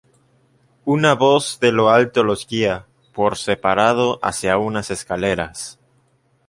Una voz de lo alto los guía por separado hacia unas escaleras.